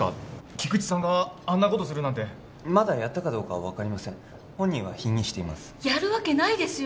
菊池さんがあんなことするなんてまだやったかどうかは本人は否認していますやるわけないですよ